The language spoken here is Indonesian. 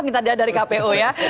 minta dari kpu ya